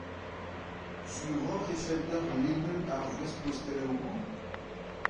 Sur ocʼh e fell deocʼh lemel ar voest posteloù-mañ ?